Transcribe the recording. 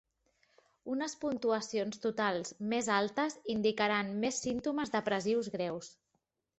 Unes puntuacions totals més altes indicaran més símptomes depressius greus.